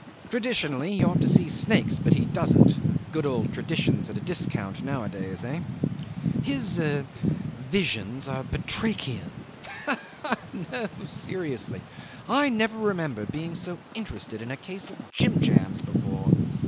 Traditionally he ought to see snakes, but he doesn't. Good old tradition's at a discount nowadays. Eh! His er visions are batrachian. Ha! ha! No, seriously, I never remember being so interested in a case of jim jams before.